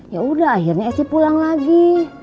yaudah akhirnya esi pulang lagi